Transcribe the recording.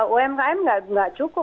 umkm nggak cukup